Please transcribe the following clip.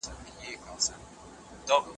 جهاد د حق د غږ پورته کولو نوم دی.